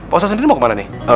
pak ustaz sendiri mau kemana nih